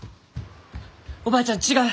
おばあちゃん違う！